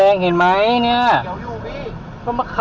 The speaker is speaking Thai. ก็เป็นอีกหนึ่งเหตุการณ์ที่เกิดขึ้นที่จังหวัดต่างปรากฏว่ามีการวนกันไปนะคะ